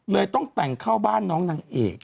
ต้องแต่งเข้าบ้านน้องนางเอก